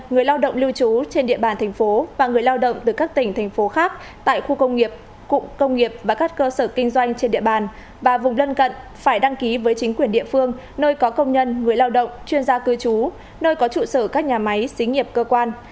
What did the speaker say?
người lao động lưu trú trên địa bàn thành phố và người lao động từ các tỉnh thành phố khác tại khu công nghiệp cụm công nghiệp và các cơ sở kinh doanh trên địa bàn và vùng lân cận phải đăng ký với chính quyền địa phương nơi có công nhân người lao động chuyên gia cư trú nơi có trụ sở các nhà máy xí nghiệp cơ quan